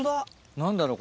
何だろう